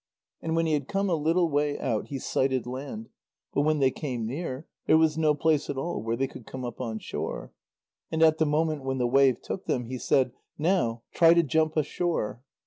And when he had come a little way out, he sighted land, but when they came near, there was no place at all where they could come up on shore, and at the moment when the wave took them, he said: "Now try to jump ashore."